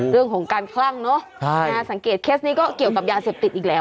เรื่องของการคลั่งเนอะสังเกตเคสนี้ก็เกี่ยวกับยาเสพติดอีกแล้ว